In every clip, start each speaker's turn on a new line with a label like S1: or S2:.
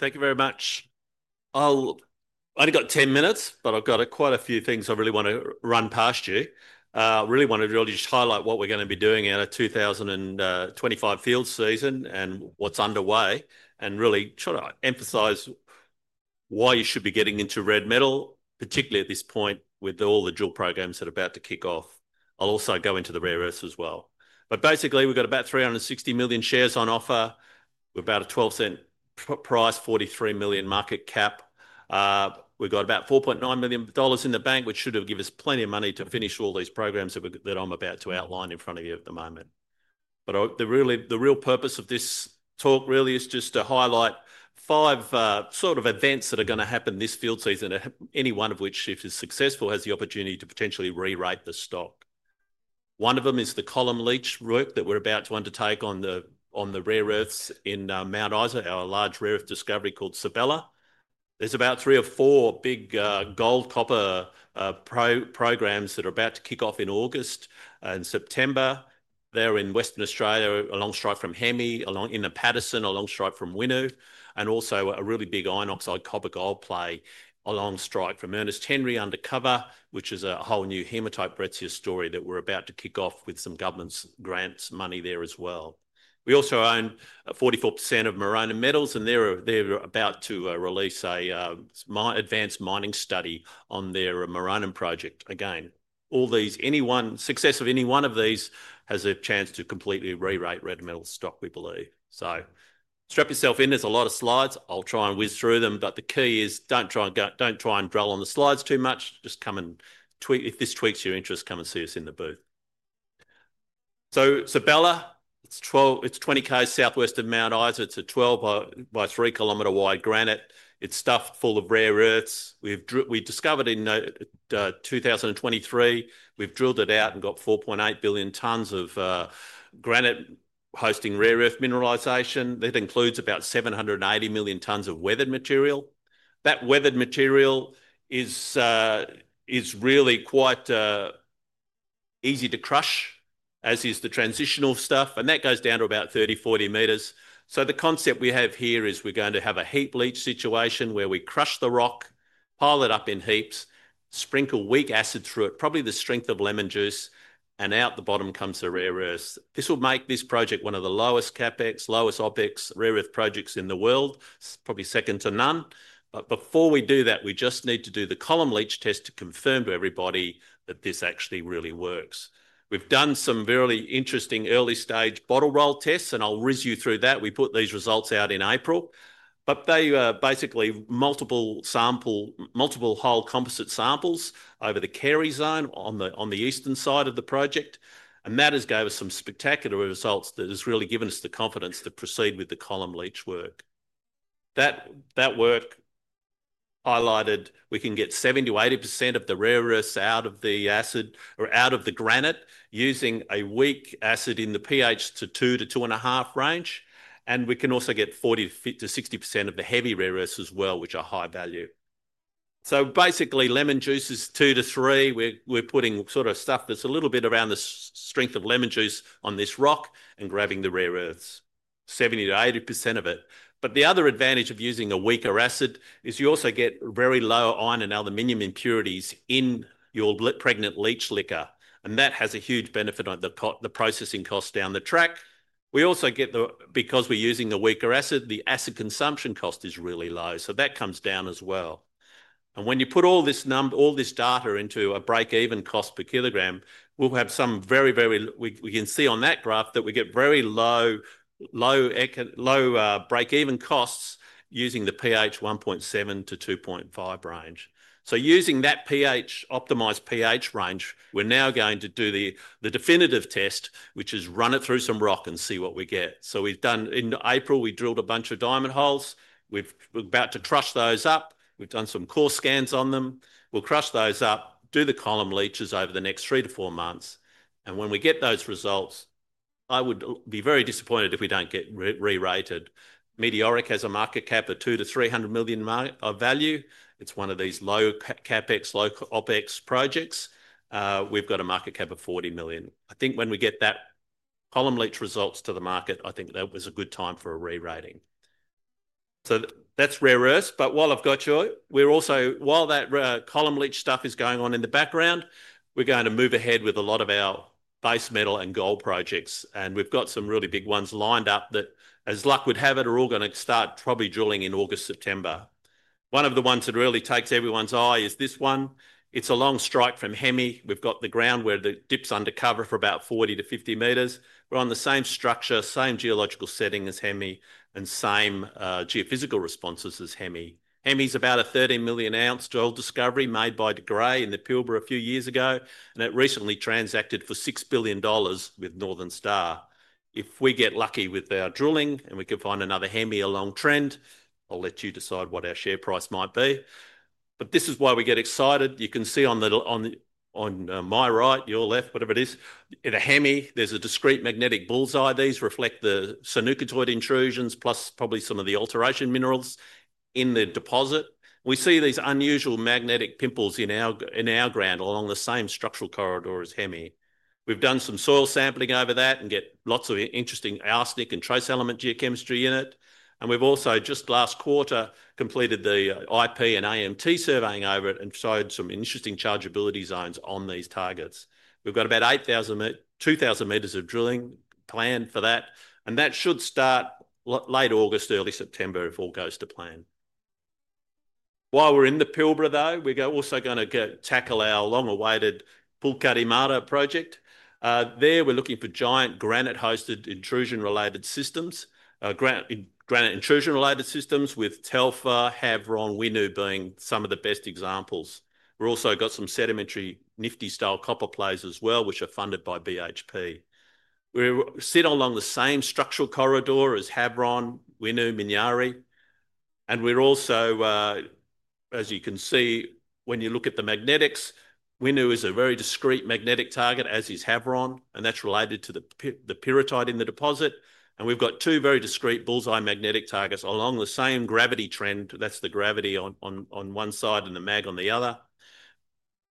S1: Thank you very much. I've only got 10 minutes, but I've got quite a few things I really want to run past you. I really wanted to just highlight what we're going to be doing in our 2025 field season and what's underway and really try to emphasize why you should be getting into Red Metal, particularly at this point with all the dual programs that are about to kick off. I'll also go into the rare earths as well. Basically, we've got about 360 million shares on offer. We're about a $0.12 price, $43 million market cap. We've got about $4.9 million in the bank, which should give us plenty of money to finish all these programs that I'm about to outline in front of you at the moment. The real purpose of this talk really is just to highlight five sort of events that are going to happen this field season, any one of which, if it's successful, has the opportunity to potentially re-rate the stock. One of them is the column leach route that we're about to undertake on the rare earths in Mount Isa, our large rare earth discovery called Sibella. There's about three or four big gold copper programs that are about to kick off in August and September. They're in Western Australia, along strike from Hemi, along in the Paterson, along strike from Winnow, and also a really big iron oxide copper-gold play along strike from Ernest Henry undercover, which is a whole new hematite breccias story that we're about to kick off with some government grants money there as well. We also own 44% of Maronan Metals Limited, and they're about to release an advanced mining study on their Maronan project. Again, any one success of any one of these has a chance to completely re-rate Red Metal Limited stock, we believe. Strap yourself in. There's a lot of slides. I'll try and whiz through them, but the key is don't try and drill on the slides too much. Just come and tweet. If this tweets your interest, come and see us in the booth. Sibella, it's 20 km southwest of Mount Isa. It's a 12/3 km wide granite. It's stuffed full of rare earths. We discovered in 2023, we've drilled it out and got 4.8 billion tons of granite hosting rare earth mineralization. That includes about 780 million tons of weathered material. That weathered material is really quite easy to crush, as is the transitional stuff, and that goes down to about 30, 40 meters. The concept we have here is we're going to have a heap leach situation where we crush the rock, pile it up in heaps, sprinkle weak acid through it, probably the strength of lemon juice, and out the bottom comes the rare earth. This will make this project one of the lowest CapEx, lowest OPEX rare earth projects in the world, probably second to none. Before we do that, we just need to do the column leach test to confirm to everybody that this actually really works. We've done some really interesting early stage bottle roll tests, and I'll whiz you through that. We put these results out in April, but they are basically multiple sample, multiple whole composite samples over the Kerry zone on the eastern side of the project. That has given us some spectacular results that has really given us the confidence to proceed with the column leach work. That work highlighted we can get 70%-80% of the rare earths out of the acid or out of the granite using a weak acid in the pH two to two and a half range. We can also get 40%-60% of the heavy rare earths as well, which are high value. Basically, lemon juice is pH two to three. We're putting sort of stuff that's a little bit around the strength of lemon juice on this rock and grabbing the rare earths, 70%-80% of it. The other advantage of using a weaker acid is you also get very low iron and aluminum impurities in your pregnant leach liquor. That has a huge benefit on the processing cost down the track. We also get the, because we're using a weaker acid, the acid consumption cost is really low. That comes down as well. When you put all this number, all this data into a break-even cost per kilogram, we'll have some very, very, we can see on that graph that we get very low, low, low break-even costs using the pH 1.7-2.5 range. Using that pH, optimized pH range, we're now going to do the definitive test, which is run it through some rock and see what we get. We've done, in April, we drilled a bunch of diamond holes. We're about to crush those up. We've done some core scans on them. We'll crush those up, do the column leaches over the next three to four months. When we get those results, I would be very disappointed if we don't get re-rated. Meteoric Resources has a market cap of $200 million to $300 million value. It's one of these low CapEx, low OPEX projects. We've got a market cap of $40 million. I think when we get that column leach results to the market, I think that was a good time for a re-rating. That's rare earths. While I've got you, we're also, while that column leach stuff is going on in the background, going to move ahead with a lot of our base metal and gold projects. We've got some really big ones lined up that, as luck would have it, are all going to start probably drilling in August, September. One of the ones that really takes everyone's eye is this one. It's along strike from Hemi. We've got the ground where the dip's undercover for about 40-50 meters. We're on the same structure, same geological setting as Hemi, and same geophysical responses as Hemi. Hemi's about a 13 million ounce drill discovery made by De Grey Mining in the Pilbara a few years ago, and it recently transacted for $6 billion with Northern Star. If we get lucky with our drilling and we can find another Hemi along trend, I'll let you decide what our share price might be. This is why we get excited. You can see on my right, your left, whatever it is, in a Hemi, there's a discrete magnetic bullseye. These reflect the sanukitoid intrusions, plus probably some of the alteration minerals in the deposit. We see these unusual magnetic pimples in our ground along the same structural corridor as Hemi. We've done some soil sampling over that and get lots of interesting arsenic and trace element geochemistry in it. We've also, just last quarter, completed the IP and AMT surveying over it and showed some interesting chargeability zones on these targets. We've got about 8,000, 2,000 meters of drilling planned for that. That should start late August, early September, if all goes to plan. While we're in the Pilbara, we're also going to tackle our long-awaited Pulkadimata project. There we're looking for giant granite-hosted intrusion-related systems, granite intrusion-related systems with Telfer, Havieron, Winu being some of the best examples. We've also got some sedimentary Nifty style copper plays as well, which are funded by BHP. We sit along the same structural corridor as Havieron, Winu, Minyari. When you look at the magnetics, Winu is a very discrete magnetic target, as is Havieron, and that's related to the pyrrhotite in the deposit. We've got two very discrete bullseye magnetic targets along the same gravity trend. That's the gravity on one side and the mag on the other.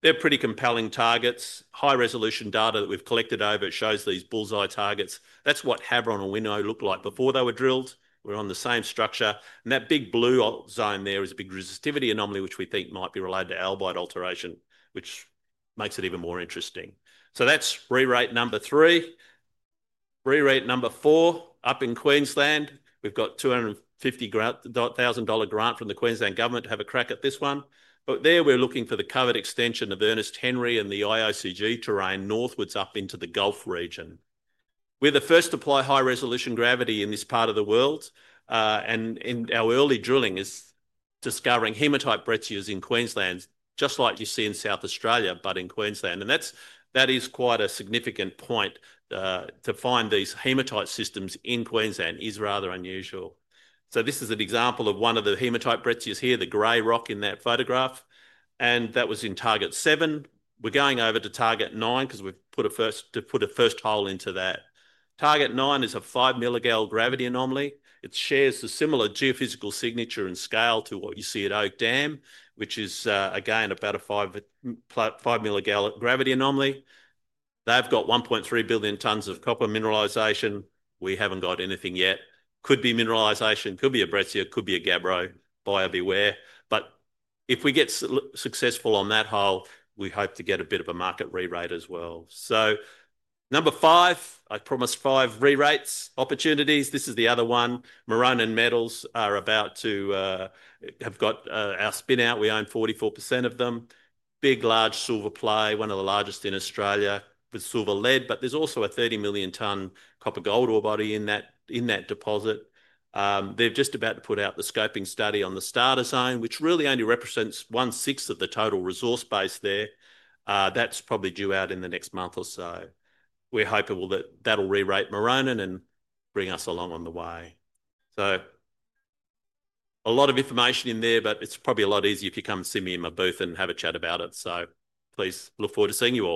S1: They're pretty compelling targets. High-resolution data that we've collected over it shows these bullseye targets. That's what Havieron and Winnow looked like before they were drilled. We're on the same structure. That big blue zone there is a big resistivity anomaly, which we think might be related to albitic alteration, which makes it even more interesting. That's re-rate number three. Re-rate number four, up in Queensland. We've got a $250,000 grant from the Queensland Government to have a crack at this one. There we're looking for the covered extension of Ernest Henry and the IOCG terrain northwards up into the Gulf region. We're the first to apply high-resolution gravity in this part of the world, and in our early drilling are discovering hematite breccias in Queensland, just like you see in South Australia, but in Queensland. That is quite a significant point. To find these hematite systems in Queensland is rather unusual. This is an example of one of the hematite breccias here, the gray rock in that photograph. That was in target seven. We're going over to target nine because we put a first hole into that. Target nine is a five milligal gravity anomaly. It shares a similar geophysical signature and scale to what you see at Oak Dam, which is, again, about a five-milligal gravity anomaly. They've got 1.3 billion tons of copper mineralization. We haven't got anything yet. Could be mineralization, could be a breccia, could be a gabbro, buyer beware. If we get successful on that hole, we hope to get a bit of a market re-rate as well. Number five, I promised five re-rate opportunities. This is the other one. Maronan Metals are about to, have got, our spin-out. We own 44% of them. Big, large silver play, one of the largest in Australia with silver-lead, but there's also a 30 million ton copper-gold ore body in that deposit. They're just about to put out the scoping study on the starter zone, which really only represents one-sixth of the total resource base there. That's probably due out in the next month or so. We're hoping that that'll re-rate Maronan and bring us along on the way. A lot of information in there, but it's probably a lot easier if you come see me in my booth and have a chat about it. Please look forward to seeing you all.